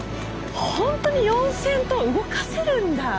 本当に４，０００ｔ動かせるんだ。